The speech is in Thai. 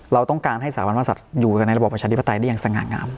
เราต้องการให้สถาบันพระศัตริย์อยู่กันในระบบประชาธิปไตยได้อย่างสง่างาม